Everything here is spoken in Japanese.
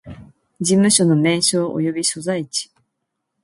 事務所の名称及び所在地